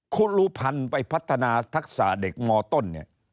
คุณลูพันธ์ไปพัฒนาทักษะเด็กมต้นเนี่ย